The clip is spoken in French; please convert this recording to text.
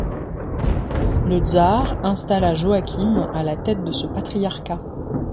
Le tsar installa Joachim à la tête de ce patriarcat.